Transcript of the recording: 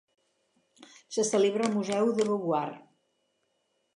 Se celebra al museu de Beauvoir.